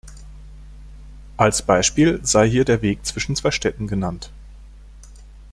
Als Beispiel sei hier der Weg zwischen zwei Städten genannt.